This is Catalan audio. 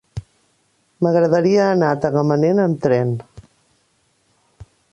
M'agradaria anar a Tagamanent amb tren.